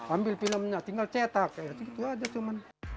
ambil filmnya tinggal cetak gitu aja cuma